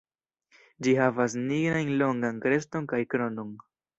Ĝi havas nigrajn longan kreston kaj kronon.